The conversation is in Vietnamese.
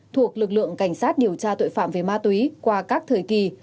thuộc lực lượng cảnh sát điều tra tội phạm về ma túy qua các thời kỳ